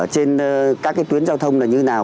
trên các cái tuyến giao thông là như nào